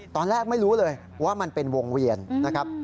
ตอนแรกไม่รู้เลยว่ามันเป็นวงเวียนนะครับ